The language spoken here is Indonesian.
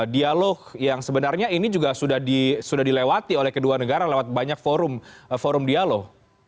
dialog yang sebenarnya ini juga sudah dilewati oleh kedua negara lewat banyak forum dialog